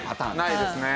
ないですね。